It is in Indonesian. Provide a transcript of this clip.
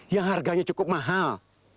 yang harganya cukup mahal